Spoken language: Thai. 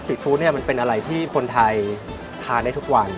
สฤทธิ์ทูตเป็นอะไรที่คนไทยทานได้ทุกวัน